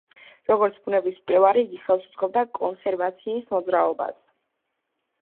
როგორც ბუნების მკვლევარი იგი ხელს უწყობდა კონსერვაციის მოძრაობას.